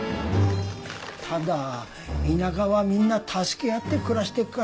ただ田舎はみんな助け合って暮らしてっからね。